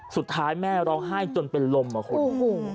สุดท้ายแม่ร้องไห้จนเป็นลมอ่ะคุณ